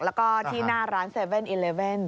แล้วก็ที่หน้าร้าน๗๑๑